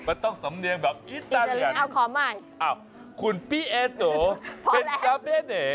มันต้องสำเนียงแบบอิตาเลียนอ้าวคุณปีเอโตเพ็นซาเบเน